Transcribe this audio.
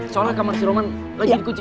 soalnya kamar si roman lagi dikucik